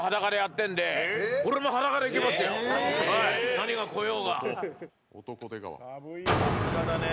何が来ようが。